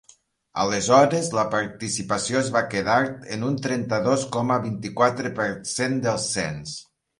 Aleshores la participació es va quedar en un trenta-dos coma vint-i-quatre per cent del cens.